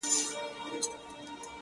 چي لاد هغې بيوفا پر كلي شپـه تېــروم;